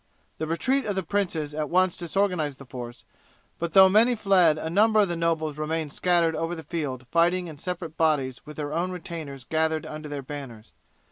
The retreat of the princes at once disorganized the force, but though many fled a number of the nobles remained scattered over the field fighting in separate bodies with their own retainers gathered under their banners.